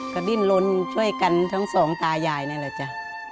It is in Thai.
ก็ดิ้นลนช่วยกันทั้งสองตายายนั่นแหละจ้ะ